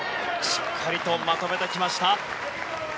しっかりとまとめてきました。